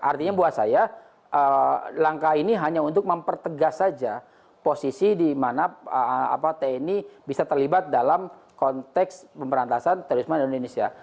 artinya buat saya langkah ini hanya untuk mempertegas saja posisi di mana tni bisa terlibat dalam konteks pemberantasan terorisme di indonesia